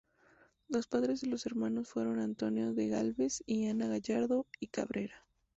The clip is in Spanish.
Los padres de los hermanos fueron Antonio de Gálvez y Ana Gallardo y Cabrera.